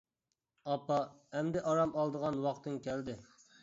ئاپا، ئەمدى ئارام ئالىدىغان ۋاقتىڭ كەلدى.